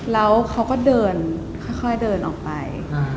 แล้วเขาก็เดินค่อยเดินออกไป